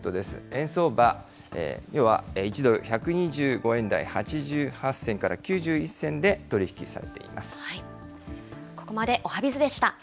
円相場、１ドル１２５円台８８銭から９１銭で取り引きされています。